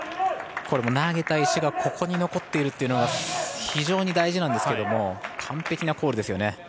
投げた石がここに残っているというのが非常に大事なんですけども完璧なコールですよね。